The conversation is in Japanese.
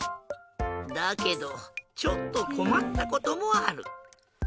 だけどちょっとこまったこともある。